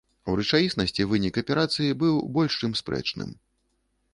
У рэчаіснасці вынік аперацыі быў больш чым спрэчным.